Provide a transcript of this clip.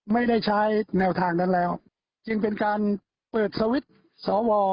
ไม่ได้ใช้แนวทางนั้นแล้วจึงเป็นการเปิดสวิตช์สอวอ